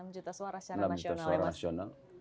enam juta suara secara nasional